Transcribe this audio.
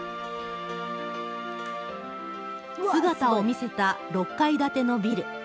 姿を見せた６階建てのビル。